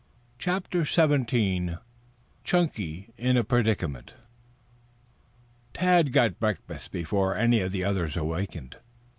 CHAPTER XVII CHUNKY IN A PREDICAMENT Tad got breakfast before any of the others awakened.